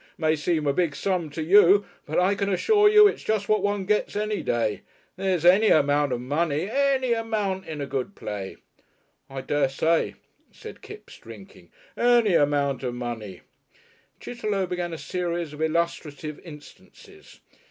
May seem a big sum to you, but I can assure you it's just what one gets any day. There's any amount of money, an ny amount, in a good play." "I dessay," said Kipps, drinking. "Any amount of money!" Chitterlow began a series of illustrative instances.